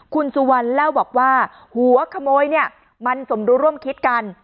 คุณสุวรรณเล่าบอกว่าหัวขโมยเนี่ยมันสมรู้ร่วมคิดกัน